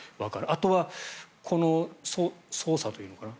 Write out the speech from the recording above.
あとは、この捜査というのかな